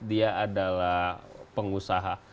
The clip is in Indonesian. dia adalah pengusaha